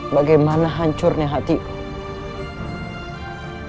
bagaimana hancurnya hatiku